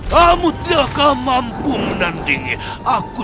kamu tidak akan mampu menandingi aku